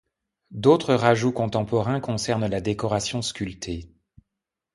D’autres rajouts contemporains concernent la décoration sculptée.